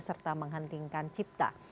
serta menghentikan cipta